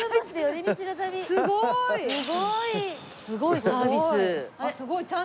すごーい！